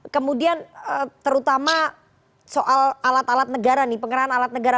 kemudian terutama soal alat alat negara penggerahan alat negara